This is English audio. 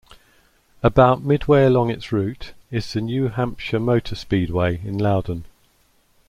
About midway along its route is the New Hampshire Motor Speedway in Loudon.